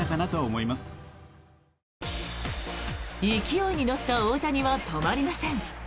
勢いに乗った大谷は止まりません。